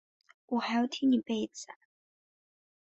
我还要听你背一次啊？